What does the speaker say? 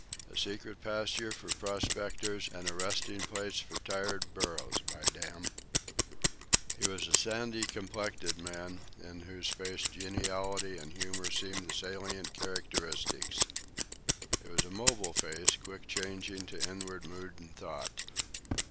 A secret pasture for prospectors and a resting place for tired burros. It's just booful!" He was a sandy complexioned man in whose face geniality and humor seemed the salient characteristics. It was a mobile face, quick changing to inward mood and thought.